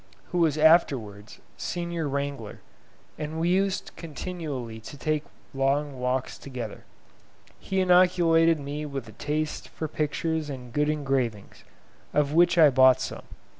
who was afterwards Senior Wrangler, and we used continually to take long walks together. He inoculated me with a taste for pictures and good engravings, of which I bought some.